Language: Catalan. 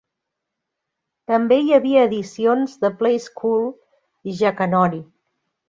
També hi havia edicions de "Play School" i "Jackanory".